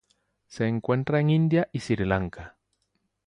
Se encuentran en India y Sri Lanka.